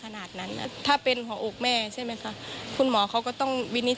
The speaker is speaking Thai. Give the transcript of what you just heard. ก็ได้แท้ว่าทภาพนาก็คืออย่าเป็นอะไรอย่างเนี่ย